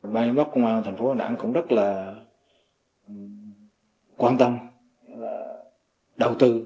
bàn giám đốc công an thành phố hà nẵng cũng rất là quan tâm đầu tư